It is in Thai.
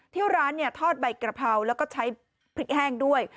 ที่ร้านทอดใบกระเพราแล้วก็ใช้พริกแห้งด้วย